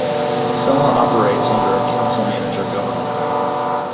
Selma operates under a council-manager government.